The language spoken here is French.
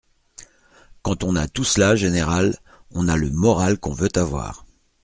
Quand on a tout cela, général, on a le moral qu’on veut avoir.